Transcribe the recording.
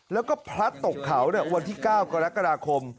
แล้วก็พลัดตกเขาวันที่๙กรกฎาคม